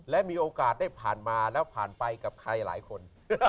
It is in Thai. และมีโอกาสได้ผ่านมาแล้วผ่านไปกับใครหลายคน